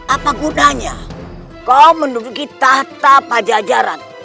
apa gunanya kau menduduki tahta pajajaran